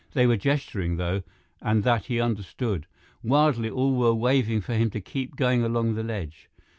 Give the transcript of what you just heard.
They were gesturing, though, and that he understood. Wildly, all were waving for him to keep going along the ledge.